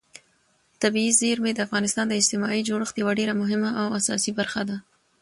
طبیعي زیرمې د افغانستان د اجتماعي جوړښت یوه ډېره مهمه او اساسي برخه ده.